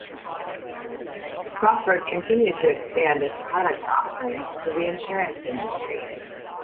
Crawford continued to expand its product offerings to the insurance industry.